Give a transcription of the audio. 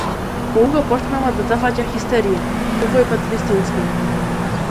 Олга почнала да ја зафаќа хистерија, овојпат вистински.